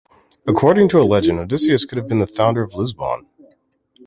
According to a legend, Odysseus could have been the founder of Lisbon.